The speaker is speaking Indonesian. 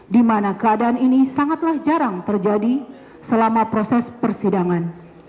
dimana keadaan ini sangatlah jarang terjadi selama proses persidangan